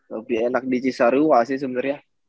lebih enak di cisarua sih sebenarnya